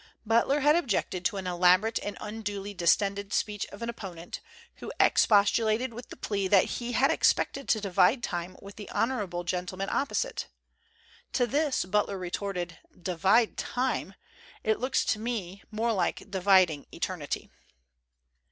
Butler had objected to an elaborate and unduly distended speech of an opponent, who expostulated with the plea that he had expected to divide time with the honorable gentleman opposite. To this Butler retorted: " Divide time? It looks to me more like dividing eternity."